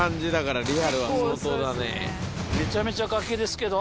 めちゃめちゃ崖ですけど。